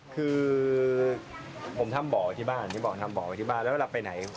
คือผมทำบ่อไว้ที่บ้านแล้วเราไปไหน